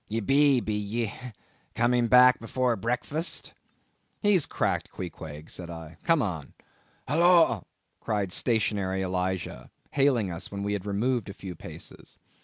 "Ye be, be ye? Coming back afore breakfast?" "He's cracked, Queequeg," said I, "come on." "Holloa!" cried stationary Elijah, hailing us when we had removed a few paces.